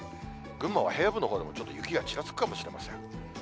群馬は平野部のほうでも、ちょっと雪がちらつくかもしれません。